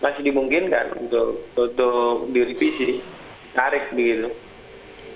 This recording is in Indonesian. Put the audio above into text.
masih dimungkinkan untuk untuk diurvisi ditarik begitu